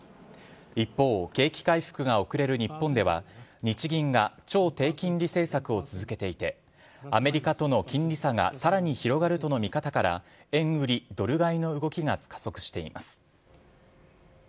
一方、景気回復が遅れる日本では、日銀が超低金利政策を続けていて、アメリカとの金利差がさらに広がるとの見方から、円売りドル買いの動きが加速しています。